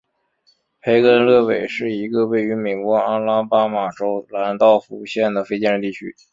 培根勒韦是一个位于美国阿拉巴马州兰道夫县的非建制地区。